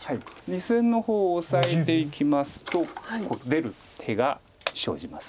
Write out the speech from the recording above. ２線の方オサえていきますと出る手が生じます。